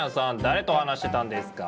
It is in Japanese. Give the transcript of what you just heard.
誰と話してたんですか？